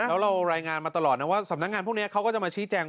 แล้วเรารายงานมาตลอดนะว่าสำนักงานพวกนี้เขาก็จะมาชี้แจง